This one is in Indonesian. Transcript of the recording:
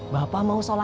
bapak mau sholat